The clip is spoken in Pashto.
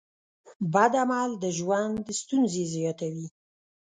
بد عمل د ژوند ستونزې زیاتوي.